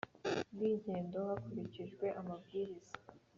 bw ingendo hakurikijwe Amabwiriza